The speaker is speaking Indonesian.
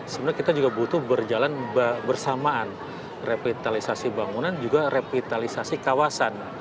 sebenarnya kita juga butuh berjalan bersamaan revitalisasi bangunan juga revitalisasi kawasan